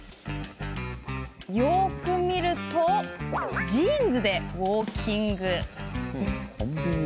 よく見るとジーンズでウォーキング？